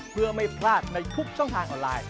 เพื่อไม่พลาดในทุกช่องทางออนไลน์